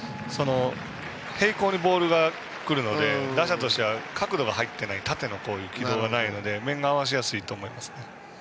平行にボールが来るので打者としては角度が入っていない縦の軌道じゃないので面が合わせやすいと思います。